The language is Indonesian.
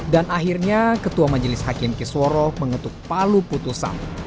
dan akhirnya ketua majelis hakim kisworo mengetuk palu putusan